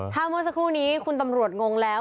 ถ้าเมื่อสักครู่นี้คุณตำรวจงงแล้ว